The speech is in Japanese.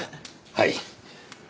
はい。